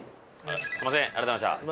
すみませんありがとうございました。